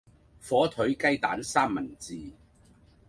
火腿雞蛋三文治